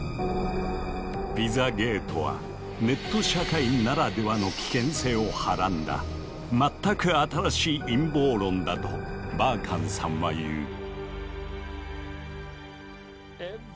「ピザゲート」はネット社会ならではの危険性をはらんだ全く新しい陰謀論だとバーカンさんは言う。